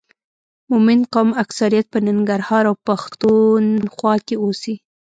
مومند قوم اکثریت په ننګرهار او پښتون خوا کې اوسي